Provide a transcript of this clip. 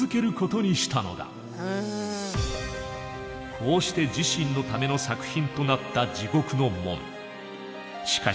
こうして自身のための作品となった「地獄の門」。